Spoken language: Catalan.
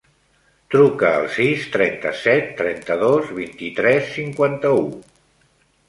Truca al sis, trenta-set, trenta-dos, vint-i-tres, cinquanta-u.